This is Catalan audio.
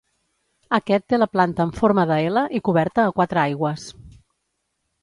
Aquest té la planta en forma de ela i coberta a quatre aigües.